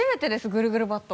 ぐるぐるバット。